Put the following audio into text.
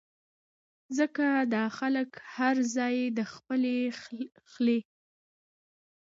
ځکه دا خلک هر ځائے د خپلې خلې